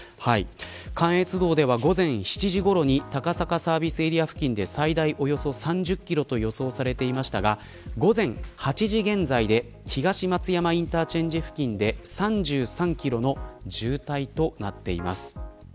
関越道では午前７時ごろに高坂サービスエリア付近で最大およそ３０キロと予想されていましたが午前８時現在で東松山インターチェンジ付近で３３キロの渋滞となっています。